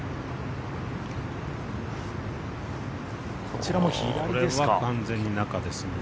こちらも左ですか。